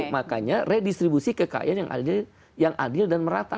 makanya redistribusi kekayaan yang adil dan merata